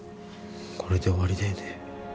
これで終わりだよね。